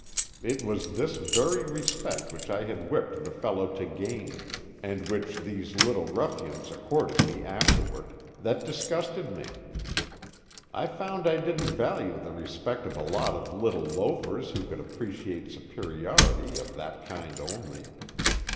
It was this very respect which I had whipped the fellow to gain, and which these little ruffians accorded me afterward, that disgusted me. I found I didn't value the respect of a lot of little loafers who could appreciate superiority of that kind only.